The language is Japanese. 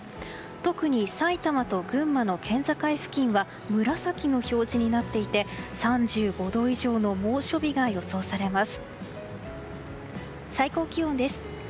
特に埼玉と群馬の県境付近は紫の表示になっていて３５度以上の猛暑日が予想されます。